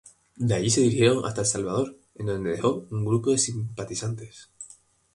De allí se dirigieron hasta El Salvador, en donde dejó un grupo de simpatizantes.